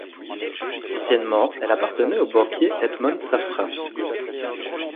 Anciennement, elle appartenait au banquier Edmond Safra.